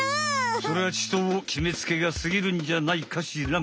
それはちときめつけがすぎるんじゃないかしらん。